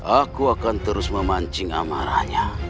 aku akan terus memancing amarahnya